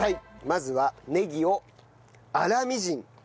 まずはネギを粗みじん。